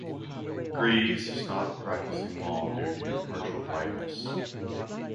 Greaves stopped practicing law due to partial blindness.